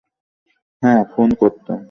হ্যাঁ, ফোন করতাম।